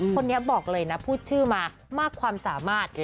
คนนี้บอกเลยนะพูดชื่อมามากความสามารถ